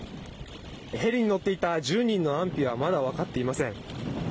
ヘリに乗っていた１０人の安否はまだ分かっていません。